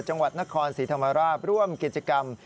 จังหวัดนครศรีธรรมราชร่วมกิจกรรม